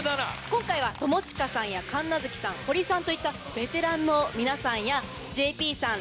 今回は友近さんや神奈月さんホリさんといったベテランの皆さんやＪＰさん